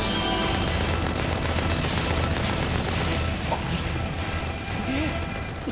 あいつすげぇ！